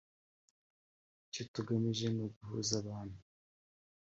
Icyo tugamije ni uguhuza abantu